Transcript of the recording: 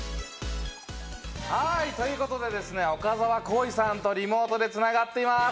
はい、ということでですね、岡澤恋さんとリモートで繋がっています。